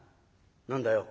「何だよ？」。